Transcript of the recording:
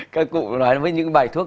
các cụ nói với những bài thuốc